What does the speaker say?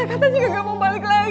katanya juga gak mau balik lagi